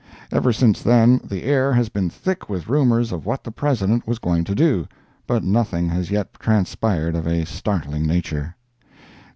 Ever since then the air has been thick with rumors of what the President was going to do, but nothing has yet transpired of a startling nature.